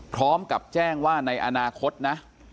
พร้อมกับแจ้งว่าในอนาคตนะ